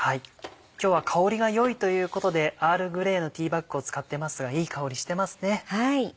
今日は香りが良いということでアールグレーのティーバッグを使ってますがいい香りしてますね。